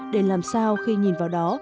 để làm sao khi nhìn vào đó